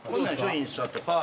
インスタとか。